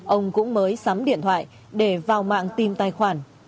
ông cũng mới sắm điện thoại để vào mạng tìm tài khoản